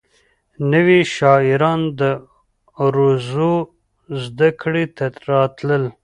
نوي شاعران د عروضو زدکړې ته راتلل.